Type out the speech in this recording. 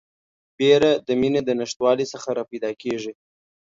بیره د میني د نشتوالي څخه راپیدا کیږي